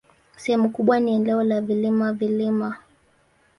Sehemu kubwa ni eneo la vilima-vilima.